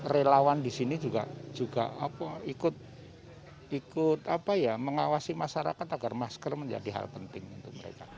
relawan di sini juga ikut mengawasi masyarakat agar masker menjadi hal penting untuk mereka